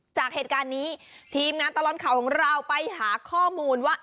จากเหตุการณ์นี้ทีมงานตลอดข่าวของเราไปหาข้อมูลว่า